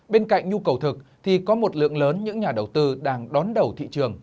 bên cạnh nhu cầu thực thì có một lượng lớn những nhà đầu tư đang đón đầu thị trường